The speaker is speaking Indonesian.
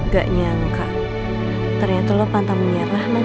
gak nyangka ternyata lo pantang menyerah